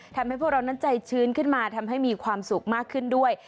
ทำให้พวกเรานั้นใจชื้นขึ้นมาทำให้มีความสุขมากขึ้นด้วย